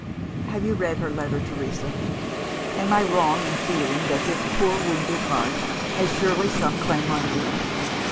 '" "Have you read her letter, Teresa? Am I wrong in feeling that this poor wounded heart has surely some claim on me?